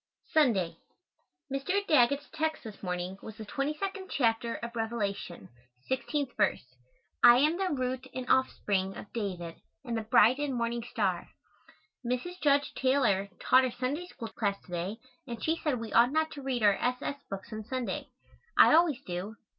Sunday. Mr. Daggett's text this morning was the 22nd chapter of Revelation, 16th verse, "I am the root and offspring of David and the bright and morning star." Mrs. Judge Taylor taught our Sunday School class to day and she said we ought not to read our S. S. books on Sunday. I always do.